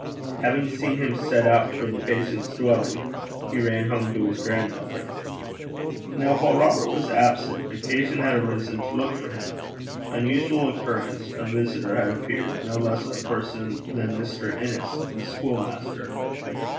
Having seen him set out for the patient's dwelling, he ran home to his grandmother. Now while Robert was absent, occasion had arisen to look for him: unusual occurrence, a visitor had appeared, no less a person than Mr. Innes, the school master.